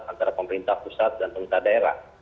antara pemerintah pusat dan pemerintah daerah